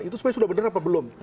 itu sebenarnya sudah benar apa belum